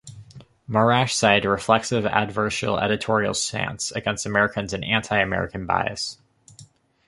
Marash cited "reflexive adversarial editorial stance" against Americans and "anti-American bias".